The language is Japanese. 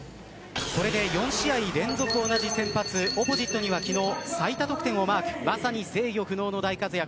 これで、４試合連続同じ先発オポジットには、昨日最多得点をマークまさに制御不能の大活躍